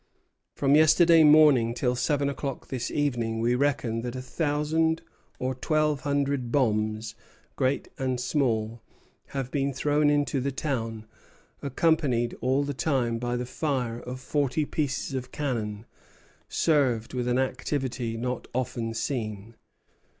From yesterday morning till seven o'clock this evening we reckon that a thousand or twelve hundred bombs, great and small, have been thrown into the town, accompanied all the time by the fire of forty pieces of cannon, served with an activity not often seen.